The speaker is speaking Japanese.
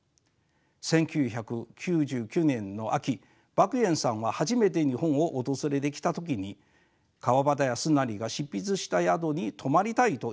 １９９９年の秋莫言さんは初めて日本を訪れてきた時に川端康成が執筆した宿に泊まりたいと言いました。